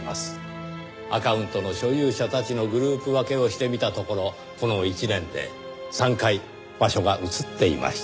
アカウントの所有者たちのグループ分けをしてみたところこの一年で３回場所が移っていました。